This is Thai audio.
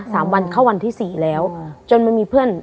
สามวันเข้าวันที่สี่แล้วจนมันมีเพื่อน